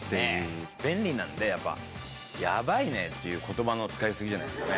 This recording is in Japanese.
便利なんで、やっぱ、やばいねっていうことばの使い過ぎじゃないですかね。